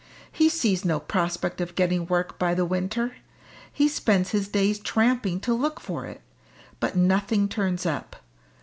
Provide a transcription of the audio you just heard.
He sees no prospect of getting work by the winter. He spends his days tramping to look for it; but nothing turns up.